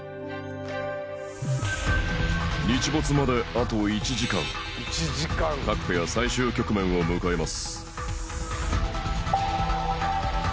日没まであと１時間各ペア最終局面を迎えます